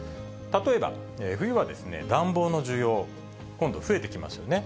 例えば、冬は暖房の需要、今度増えてきますよね。